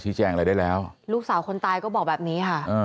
สี่ส้งนั่นแหละคิดว่าเป็นคือเป็นเห้นทรัล